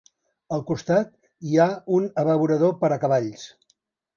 Al costat hi ha un abeurador per a cavalls.